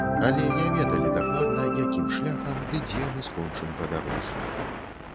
Але не ведалі дакладна, якім шляхам, ды дзе мы скончым падарожжа.